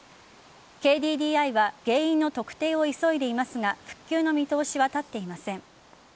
ＫＤＤＩは原因の特定を急いでいますが復旧の見通しは立っていません。